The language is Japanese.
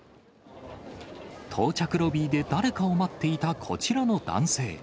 到着ロビーで誰かを待っていたこちらの男性。